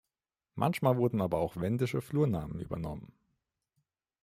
Manchmal wurden aber auch wendische Flurnamen übernommen.